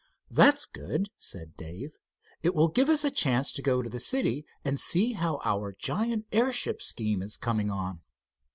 "That's good," said Dave. "It will give us a chance to go to the city and see how our giant airship scheme is coming on."